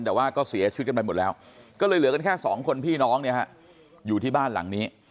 แต่ว่าก็เสียชีวิตกันไปหมดแล้วก็เลยเหลือกันแค่สองคนพี่น้องเนี่ยฮะอยู่ที่บ้านหลังนี้